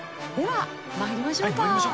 はい参りましょうか。